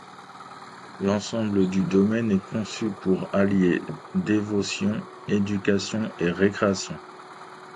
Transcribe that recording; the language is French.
L’ensemble du domaine est conçu pour allier dévotion, éducation et recréation.